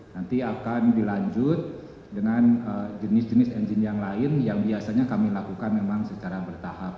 nanti akan dilanjut dengan jenis jenis engine yang lain yang biasanya kami lakukan memang secara bertahap